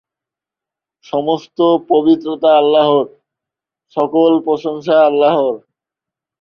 সমস্ত পবিত্রতা আল্লাহর, সকল প্রশংসা আল্লাহর।